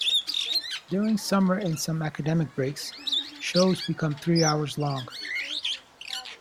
During summer and some academic breaks, shows become three hours long.